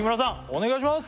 お願いします